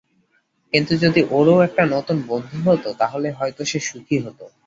কিন্তু যদি ওরও একটা নতুন বন্ধু হতো তাহলে হয়তো সে সুখী হতো।